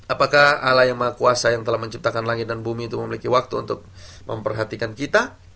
apakah ala yang maha kuasa yang telah menciptakan langit dan bumi itu memiliki waktu untuk memperhatikan kita